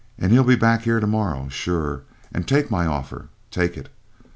he'll be back here tomorrow, sure, and take my offer; take it?